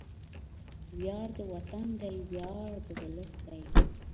وياړ د وطن دی، ویاړ د ولس دی